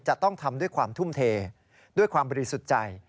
จะต้องทำด้วยความทุ่มเทด้วยความบริสุทธิ์ใจ